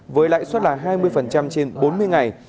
với lãi suất là hai mươi trên bốn mươi ngày